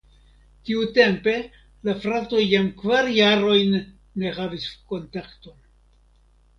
Tiutempe la fratoj jam kvar jarojn ne havis kontakton.